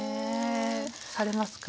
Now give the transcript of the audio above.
されますか？